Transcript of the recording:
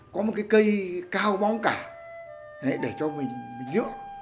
có một cái cây cao bóng cả để cho mình dưỡng